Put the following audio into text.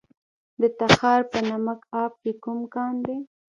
د تخار په نمک اب کې کوم کان دی؟